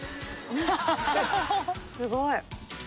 すごい。